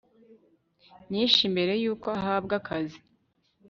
nyinshi mbere y uko uhabwa akazi